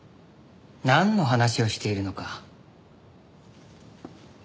なんの話をしているのか。